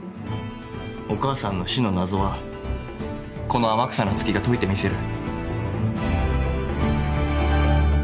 お母さんの死の謎はこの天草那月が解いてみせる。